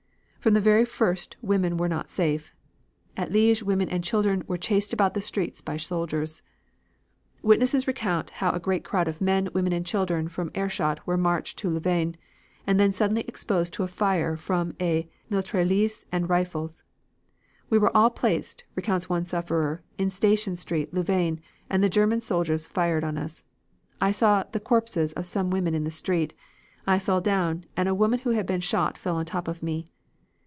From the very first women were not safe. At Liege women and children were chased about the streets by soldiers. "Witnesses recount how a great crowd of men, women and children from Aerschot were marched to Louvain, and then suddenly exposed to a fire from a mitrailleuse and rifles. 'We were all placed,' recounts a sufferer, 'in Station Street, Louvain, and the German soldiers fired on us. I saw the corpses of some women in the street. I fell down, and a woman who had been shot fell on top of me.'